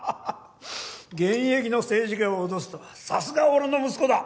現役の政治家を脅すとはさすが俺の息子だ！